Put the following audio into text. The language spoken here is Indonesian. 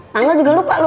tanggal juga lupa lu